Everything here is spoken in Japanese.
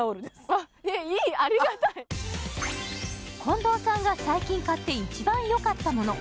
ありがたい近藤さんが最近買って一番よかったもの